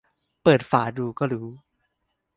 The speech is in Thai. เปิดฝาดูก็รู้